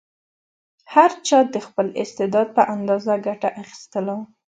هر چا د خپل استعداد په اندازه ګټه اخیستله.